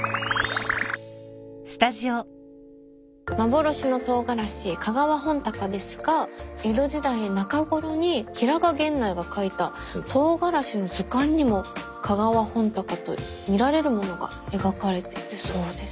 幻のとうがらし香川本鷹ですが江戸時代中頃に平賀源内が書いたとうがらしの図鑑にも香川本鷹とみられるものが描かれてるそうです。